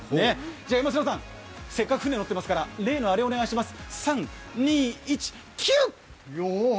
じゃあ山科さん、せっかく船に乗ってますから例のあれお願いします。